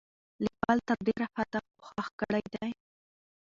لیکوال تر ډېره حده کوښښ کړی دی،